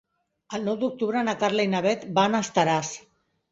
El nou d'octubre na Carla i na Bet van a Estaràs.